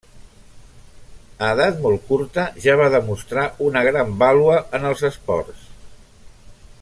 A edat molt curta, ja va demostrar una gran vàlua en els esports.